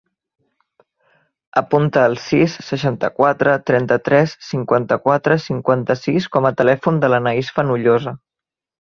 Apunta el sis, seixanta-quatre, trenta-tres, cinquanta-quatre, cinquanta-sis com a telèfon de l'Anaïs Fenollosa.